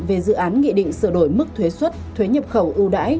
về dự án nghị định sửa đổi mức thuế xuất thuế nhập khẩu ưu đãi